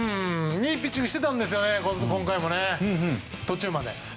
いいピッチングしていたんですけどね、今回も途中までは。